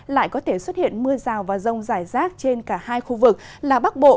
lại có thể xuất hiện mưa rào và rông rải rác trên cả hai khu vực là bắc bộ